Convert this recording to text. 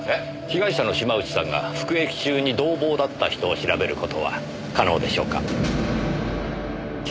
被害者の島内さんが服役中に同房だった人を調べる事は可能でしょうか？